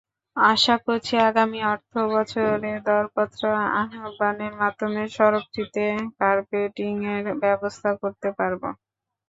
আশা করছি আগামী অর্থবছরে দরপত্র আহ্বানের মাধ্যমে সড়কটিতে কার্পেটিংয়ের ব্যবস্থা করতে পারব।